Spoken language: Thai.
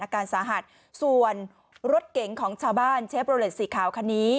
อาการสาหัตรส่วนรถเก๋งของชาวบ้านเชฟโปรเล็ตสีขาวคณี